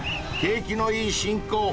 景気のいい進行